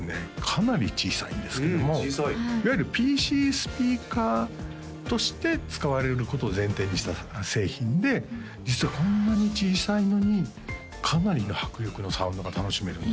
かなり小さいんですけどもいわゆるＰＣスピーカーとして使われることを前提にした製品で実はこんなに小さいのにかなりの迫力のサウンドが楽しめるんですよね